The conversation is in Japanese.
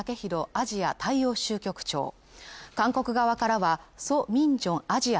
アジア大洋州局長韓国側からはソ・ミンジョンアジア